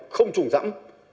không trùng rẫm